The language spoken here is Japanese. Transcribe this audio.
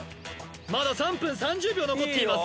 まだ３分３０秒残っています